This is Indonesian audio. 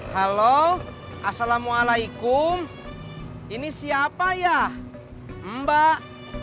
halo assalamualaikum ini siapa ya mbak